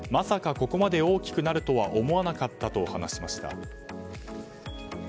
ここまで大きくなるとは思わなかったと話しました。